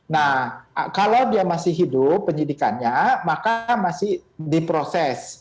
nah kalau dia masih hidup penyidikannya maka masih diproses